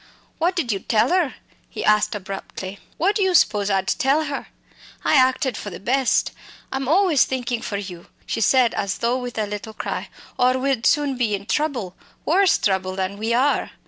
"What did you tell 'er?" he asked abruptly. "What do you spose I'd tell her? I acted for the best. I'm always thinkin' for you!" she said as though with a little cry, "or we'd soon be in trouble worse trouble than we are!"